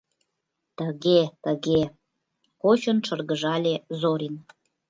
Тыге-тыге, - кочын шыргыжале Зорин.